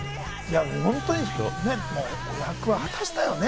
本当に役を果たしたよね。